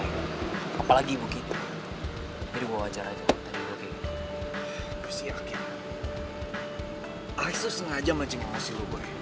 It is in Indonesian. ya mak ini penasaran banget sih pengen ke rumah